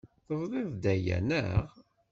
Tebdiḍ-d aya, naɣ?